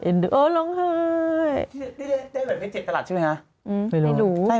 โอ้วเราหาย